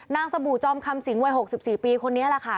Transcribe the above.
สบู่จอมคำสิงวัย๖๔ปีคนนี้แหละค่ะ